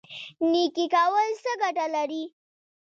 نیکي کول څه ګټه لري؟